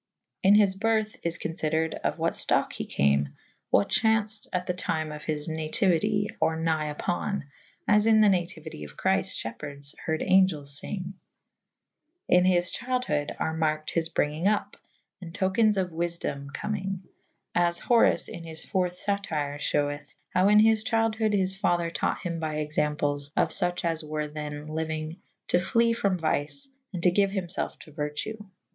In his byrthe is confydered of what ftocke he came / what chaunfed at the tyme of his natiuite or nighe vpo« / as Mn the natiuite of Chryfte fhepeherdes harde angelles fynge. In his chyldhode are marked his bryngynge vp & tokens of wyfdome cowzmynge : As Horace in his furthe^ Satire fheweth / howe in his chyldhode his father taught hym by examples of fuche as were than lyuynge to flee from vice and to gyue hymfelfe to vertue.